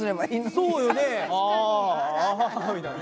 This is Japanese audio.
そうよね。